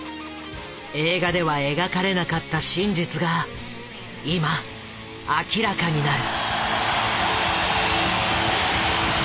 映画では描かれなかった真実が今明らかになる。